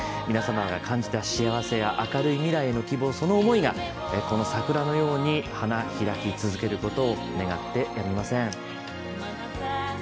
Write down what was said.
皆様が感じた幸せや明るい未来への希望、その思いが桜のように花開き続けることを願ってやみません。